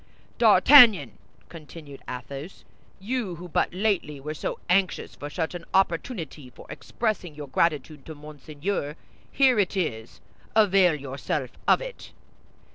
D'Artagnan," continued Athos, "you, who but lately were so anxious for such an opportunity for expressing your gratitude to Monseigneur, here it is; avail yourself of it."